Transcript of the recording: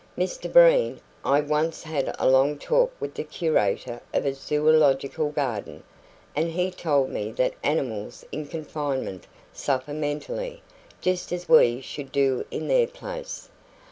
Mr Breen, I once had a long talk with the curator of a zoological garden, and he told me that animals in confinement suffer mentally, just as we should do in their place.